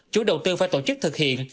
chú đầu tư phải tổ chức thực hiện